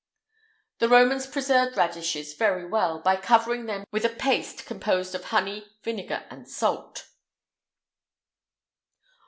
[IX 170] The Romans preserved radishes very well, by covering them with a paste composed of honey, vinegar, and salt.